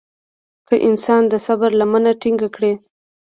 که انسان د صبر لمنه ټينګه کړي.